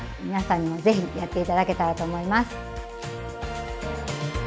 皆さんにも是非やって頂けたらと思います。